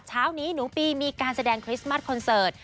เช้านี้หนูปีมีการแสดงคริสต์มัสคอนเสิร์ต